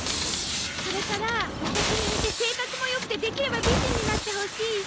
それからワタシに似て性格も良くてできれば美人になってほしいし。